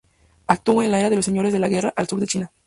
Actuó en la "era de los señores de la guerra" al sur de China.